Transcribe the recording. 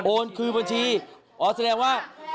คืนบัญชีอ๋อแสดงว่า